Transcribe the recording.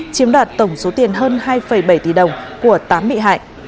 chiếm đoạt tổng số tiền hơn hai bảy tỷ đồng của tám bị hại